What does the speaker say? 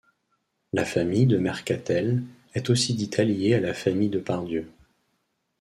La famille de Mercastel est aussi dite alliée à la famille de Pardieu.